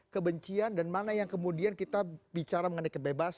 ketika demokrasi dan kebebasan dibuat